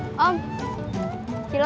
nanti aku jemput kamu